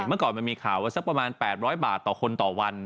เมื่อก่อนมันมีข่าวว่าสักประมาณ๘๐๐บาทต่อคนต่อวัน